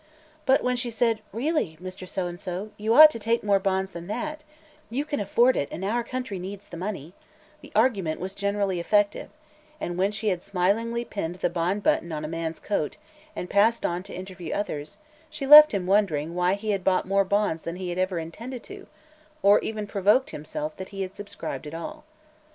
But when she said: "Really, Mr. So and so, you ought to take more bonds than that; you can afford it and our country needs the money," the argument was generally effective, and when she had smilingly pinned the bond button on a man's coat and passed on to interview others, she left him wondering why he had bought more bonds than he ever had intended to, or even provoked with himself that he had subscribed at all.